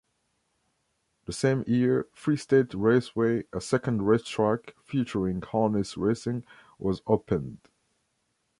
The same year, Freestate Raceway, a second racetrack featuring harness racing, was opened.